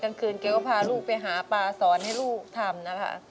กลางคืนแกก็พาลูกไปหาปลาสอนให้ลูกทำนะคะ